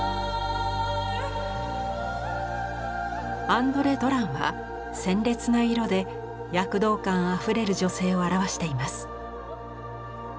アンドレ・ドランは鮮烈な色で躍動感あふれる女性を表しています。